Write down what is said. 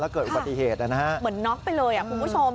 เกิดอุบัติเหตุนะฮะเหมือนน็อกไปเลยอ่ะคุณผู้ชม